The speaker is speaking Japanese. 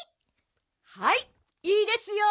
はいっいいですよ。